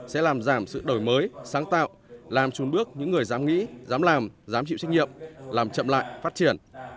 sẽ làm giảm sự đổi mới sáng tạo làm trùn bước những người dám nghĩ dám làm dám chịu trách nhiệm làm chậm lại phát triển